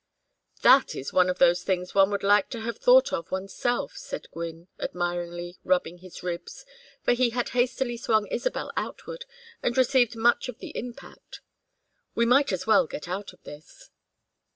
"That is one of those things one would like to have thought of one's self," said Gwynne, admiringly, rubbing his ribs, for he had hastily swung Isabel outward, and received much of the impact. "We might as well get out of this."